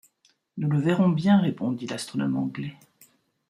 Nous le verrons bien, répondit l’astronome anglais.